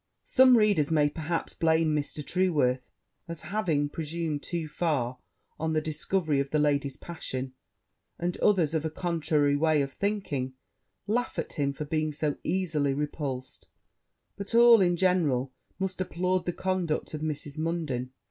Some readers may, perhaps, blame Mr. Trueworth, as having presumed too far on the discovery of the lady's passion; and others, of a contrary way of thinking, laugh at him for being so easily repulsed: but all, in general, must applaud the conduct of Mrs. Munden.